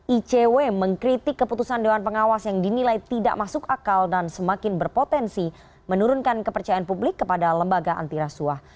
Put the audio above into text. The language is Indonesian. icw mengkritik keputusan dewan pengawas yang dinilai tidak masuk akal dan semakin berpotensi menurunkan kepercayaan publik kepada lembaga antirasuah